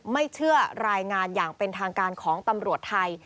ไม่เชื่อรายงานอย่างเป็นทางการของตำรวจไทย